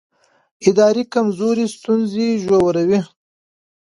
اداري کمزوري ستونزې ژوروي